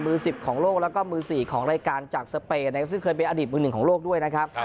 ๑๐ของโลกแล้วก็มือ๔ของรายการจากสเปนนะครับซึ่งเคยเป็นอดีตมือหนึ่งของโลกด้วยนะครับ